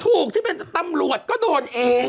ที่เป็นตำรวจก็โดนเอง